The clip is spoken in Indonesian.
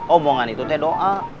omongan itu teh doa